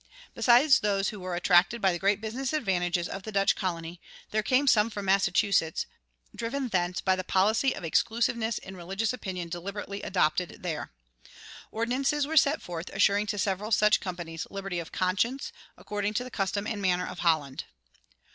Besides those who were attracted by the great business advantages of the Dutch colony, there came some from Massachusetts, driven thence by the policy of exclusiveness in religious opinion deliberately adopted there. Ordinances were set forth assuring to several such companies "liberty of conscience, according to the custom and manner of Holland."